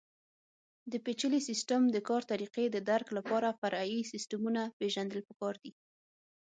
د پېچلي سیسټم د کار طریقې د درک لپاره فرعي سیسټمونه پېژندل پکار دي.